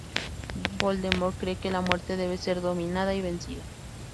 Voldemort cree que la muerte debe ser dominada y ""vencida"".